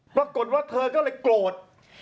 ปรากฏว่าเธอก็เลยโกรธ